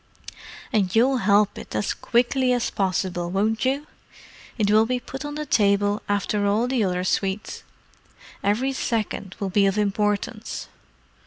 "And you'll help it as quickly as possible, won't you? It will be put on the table after all the other sweets. Every second will be of importance!"